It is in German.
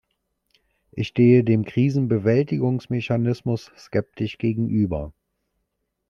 Ich stehe dem Krisenbewältigungsmechanismus skeptisch gegenüber.